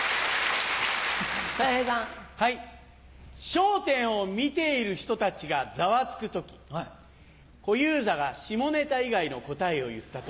『笑点』を見ている人たちがざわつく時小遊三が下ネタ以外の答えを言った時。